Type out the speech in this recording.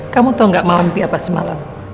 kamu tau gak mama mimpi apa semalam